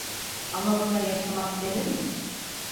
Ama buna yaşamak denir mi?